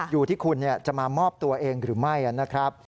อยู่ที่คุณจะมามอบตัวเองหรือไม่นะครับ